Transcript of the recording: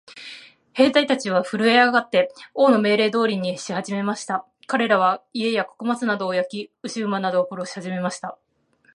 兵隊たちはふるえ上って、王の命令通りにしはじめました。かれらは、家や穀物などを焼き、牛馬などを殺しはじめました。